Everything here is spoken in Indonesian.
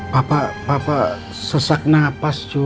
pak patik sesak nafas cu